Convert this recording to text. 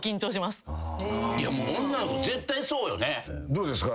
どうですか？